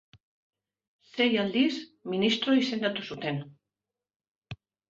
Sei aldiz, ministro izendatu zuten.